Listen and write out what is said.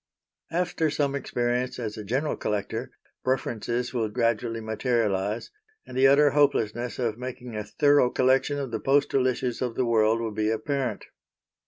After some experience as a general collector, preferences will gradually materialise, and the utter hopelessness of making a thorough collection of the postal issues of the world will be apparent.